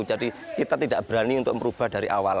jadi kita tidak berani untuk merubah dari awal